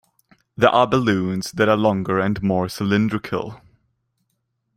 There are balloons that are longer and more cylindrical.